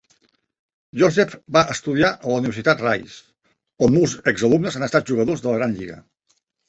Joseph va estudiar a la Universitat Rice, on molts exalumnes han estat jugadors de la gran lliga.